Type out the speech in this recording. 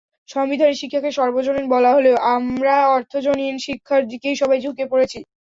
সংবিধানে শিক্ষাকে সর্বজনীন বলা হলেও আমরা অর্থজনীন শিক্ষার দিকেই সবাই ঝুঁকে পড়েছি।